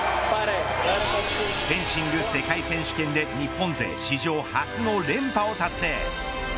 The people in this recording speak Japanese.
フェンシング世界選手権で日本勢史上初の連覇を達成。